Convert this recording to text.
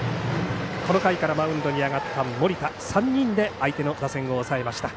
この回からマウンドに上がった森田３人で相手の打線を抑えました。